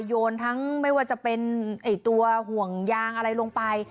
โยนทั้งไม่ว่าจะเป็นตัวห่วงยางอะไรลงไป